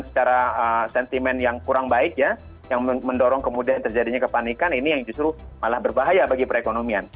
secara sentimen yang kurang baik ya yang mendorong kemudian terjadinya kepanikan ini yang justru malah berbahaya bagi perekonomian